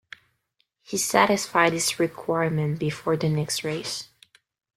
He satisfied this requirement before the next race.